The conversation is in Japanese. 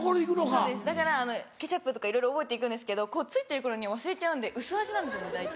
そうですだからケチャップとかいろいろ覚えて行くんですけど着いてる頃には忘れちゃうんで薄味なんですよね大体。